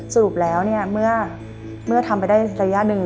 สรุปแล้วเมื่อทำไปได้ระยะหนึ่ง